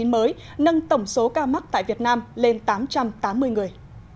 nâng tổng số ca mắc tại việt nam lên tám trăm tám mươi người